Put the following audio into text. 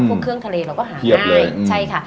พวกเครื่องทะเลเราก็หาง่ายใช่ค่ะ